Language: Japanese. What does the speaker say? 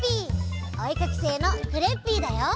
おえかきせいのクレッピーだよ！